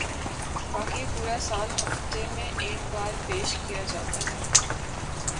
باقی پورا سال ہفتے میں ایک بار پیش کیا جاتا ہے